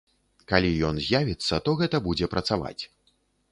Калі ён з'явіцца, то гэта будзе працаваць.